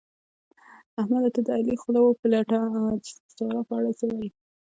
احمده! ته د علي خوله وپلټه چې د سارا په اړه څه وايي؟